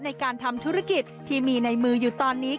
ในการทำธุรกิจที่มีในมืออยู่ตอนนี้